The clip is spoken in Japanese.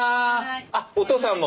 あお父さんも。